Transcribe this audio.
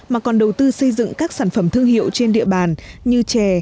mà còn đầu tư xây dựng các sản phẩm thương hiệu trên địa bàn như chè